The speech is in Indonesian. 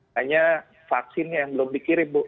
hanya vaksinnya yang belum dikirim bu